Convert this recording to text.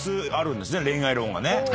恋愛論がね。